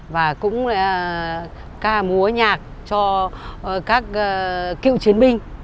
và cũng ca múa nhạc cho các cựu chiến binh